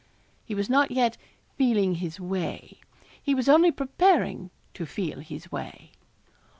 He was not yet 'feeling his way.' He was only preparing to feel his way.